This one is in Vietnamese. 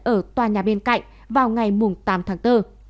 ở tòa nhà bên cạnh vào ngày tám tháng bốn